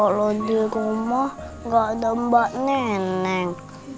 kalau di rumah nggak ada mbak nenek